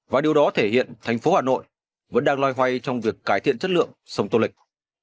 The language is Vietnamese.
và điều đó thể hiện thành phố hà nội vẫn đang loay hoay trong việc cải thiện chất lượng sông tô lịch